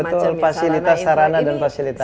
betul fasilitas sarana dan fasilitas